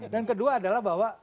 dan kedua adalah bahwa